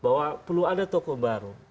bahwa perlu ada tokoh baru